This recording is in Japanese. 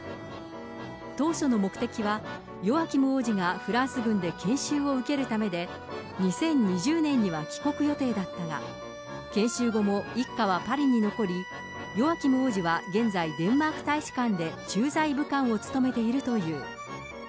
当初の目的は、ヨアキム王子がフランス軍で研修を受けるためで、２０２０年には帰国予定だったが、研修後も一家はパリに残り、ヨアキム王子は、現在デンマーク大使館で駐在武官を務めているという。